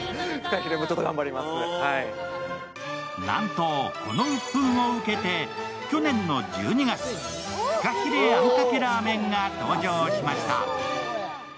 なんとこのウップンを受けて去年の１２月フカヒレあんかけラーメンが登場しました。